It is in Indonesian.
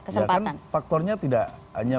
kesempatan faktornya tidak hanya